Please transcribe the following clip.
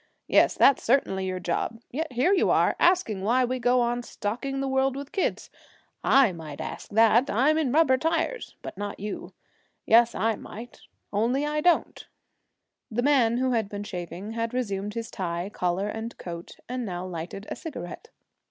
Yes, that's certainly your job. Yet here you are, asking why we go on stocking the world with kids. I might ask that, I'm in rubber tires, but not you. Yes, I might only I don't.' The man who had been shaving had resumed his tie, collar, and coat, and now lighted a cigarette.